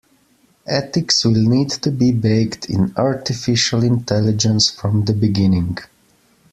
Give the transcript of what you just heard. Ethics will need to be baked in Artificial Intelligence from the beginning.